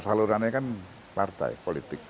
salurannya kan partai politik